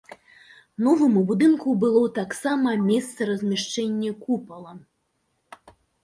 Новым у будынку было таксама месца размяшчэнне купала.